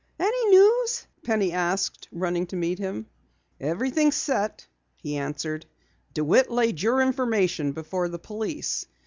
"Any news?" Penny asked, running to meet him. "Everything's set," he answered. "DeWitt laid your information before the police.